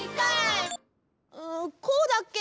んこうだっけ？